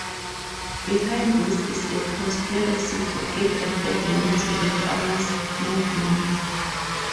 Behind this is a conspiracy to give a bad name to the farmers' movement.